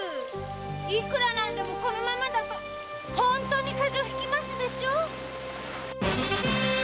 いくら何でもこのままだと本当に風邪をひきますでしょ？